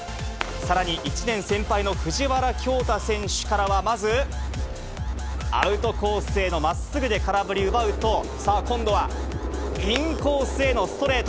さらに、１年先輩の藤原恭大選手からは、まず、アウトコースへのまっすぐで空振り奪うと、さあ今度は、インコースへのストレート。